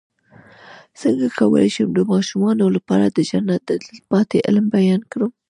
څنګه کولی شم د ماشومانو لپاره د جنت د تل پاتې علم بیان کړم